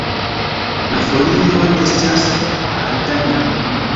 La folioj estas alternaj.